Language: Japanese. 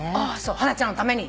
ハナちゃんのために？